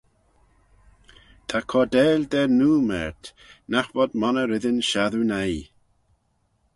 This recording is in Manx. Ta cordail da noo mayrt, nagh vod monney reddyn shassoo noi.